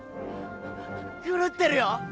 狂ってるよ！